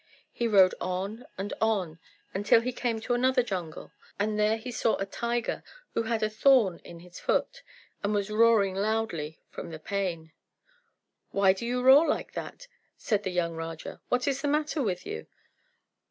He rode on and on until he came to another jungle, and there he saw a tiger who had a thorn in his foot, and was roaring loudly from the pain. "Why do you roar like that?" said the young Raja. "What is the matter with you?"